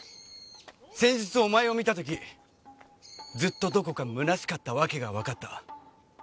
先日お前を見た時ずっとどこかむなしかった訳がわかった。